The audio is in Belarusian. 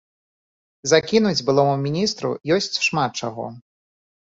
Закінуць былому міністру ёсць шмат чаго.